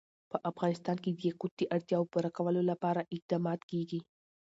په افغانستان کې د یاقوت د اړتیاوو پوره کولو لپاره اقدامات کېږي.